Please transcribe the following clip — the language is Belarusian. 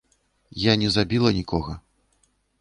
Я не забіла нікога.